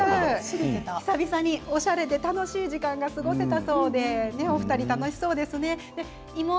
久々におしゃれで楽しい時間が過ごせたそうでお二人楽しそうですね。